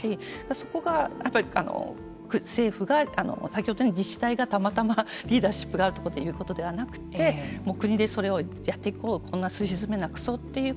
そこがやっぱり政府が先ほど言ったように自治体がたまたまリーダーシップがあるということではなくて国でそれをやっていこうこんなすし詰めをなくそう。